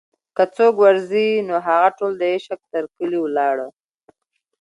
که څوک ور ځي نوهغه ټول دعشق تر کلي ولاړه